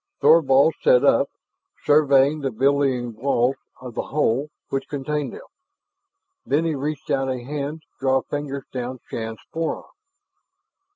Thorvald sat up, surveying the billowing walls of the hole which contained them. Then he reached out a hand to draw fingers down Shann's forearm.